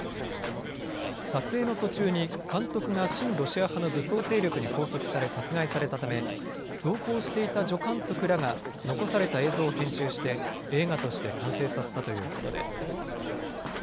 撮影の途中に監督が親ロシア派の武装勢力に拘束され殺害されたため同行していた助監督らが残された映像を編集して映画として完成させたということです。